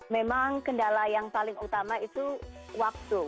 memang kendala yang paling utama itu waktu